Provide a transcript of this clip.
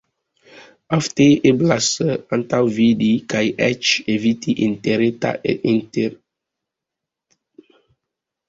Ofte eblas antaŭvidi kaj eĉ eviti interetnajn malakordojn.